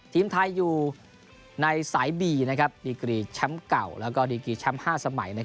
ทีมไทยอยู่ในสายบีนะครับดีกรีย์แชมป์เก่าแล้วก็ดีกรีย์แชมป์ห้าสมัย